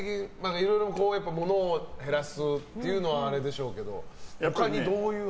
いろいろものを減らすっていうのはあれでしょうけど他にどういう？